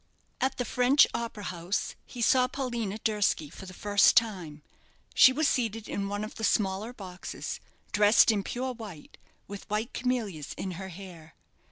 At the French opera house he saw Paulina Durski for the first time. She was seated in one of the smaller boxes, dressed in pure white, with white camellias in her hair.